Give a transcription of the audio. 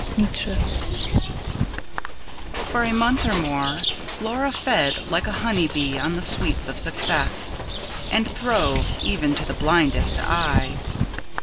NIETZSCHE For a month or more, Laura fed like a honeybee on the sweets of success. And throve even to the blindest eye.